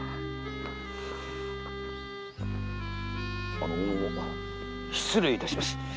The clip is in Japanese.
あのう失礼致します。